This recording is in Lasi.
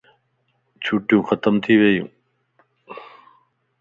چھٽيون ختم ٿي ويو